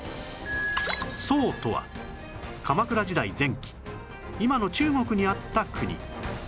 宋とは鎌倉時代前期今の中国にあった国